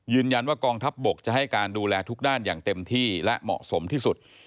กองทัพบกจะให้การดูแลทุกด้านอย่างเต็มที่และเหมาะสมที่สุด